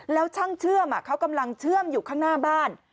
แล้วช่างเชื่อมเขากำลังเชื่อมอยู่ข้างหน้าบ้าน